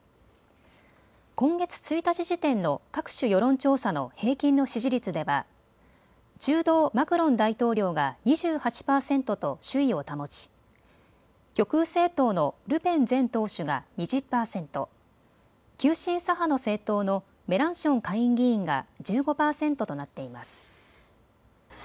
今月１日時点の各種世論調査の平均の支持率では中道マクロン大統領が２８％と首位を保ち、極右政党のルペン前党首が２０％、急進左派の政党のメランション下院議員が１５％となっています。